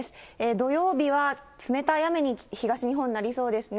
土曜日は冷たい雨に東日本、なりそうですね。